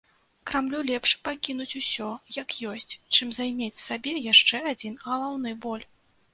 Крамлю лепш пакінуць усё, як ёсць, чым займець сабе яшчэ адзін галаўны боль.